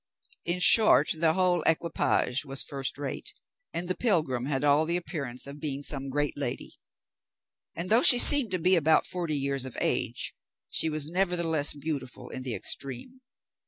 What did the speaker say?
In short, the whole equipage was first rate, and the pilgrim had all the appearance of being some great lady; and though she seemed to be about forty years of age, she was nevertheless beautiful in the extreme.